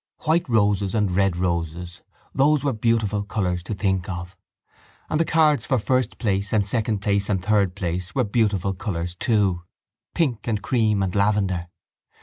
White roses and red roses: those were beautiful colours to think of. And the cards for first place and second place and third place were beautiful colours too: pink and cream and lavender.